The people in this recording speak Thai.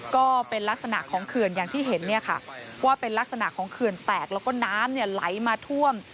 ก็เป็นลักษณะของเขื่อนอย่างที่เห็นว่าเป็นลักษณะของเขื่อนแตกแล้วก็น้ำไหลมาท่วม